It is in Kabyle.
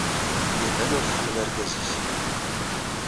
Iban ur tḥemmel argaz-nnes.